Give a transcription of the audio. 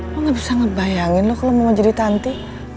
lo gak bisa ngebayangin lo kalo mau jadi tanti